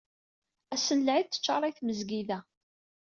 Ass n Lɛid teččaray tmezgida.